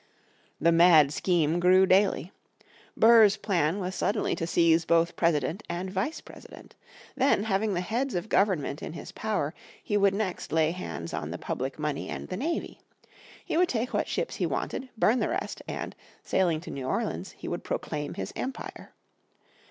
The mad scheme grew daily. Burr's plan was suddenly to seize both President and Vice President. Then having the heads of government in his power he would next lay hands on the public money and the navy. He would take what ships he wanted, burn the rest, and, sailing to New Orleans, he would proclaim his empire.